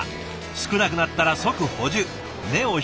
少なくなったら即補充目を光らせます。